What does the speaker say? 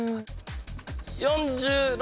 ４６。